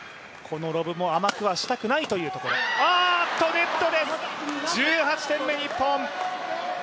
ネットです、１８点目、日本。